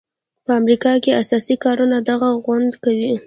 په امریکا کې اساسي کارونه دغه ګوند کوي.